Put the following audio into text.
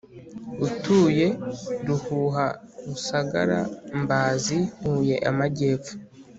utuye Ruhuha RusagaraMbazi Huye Amajyepfo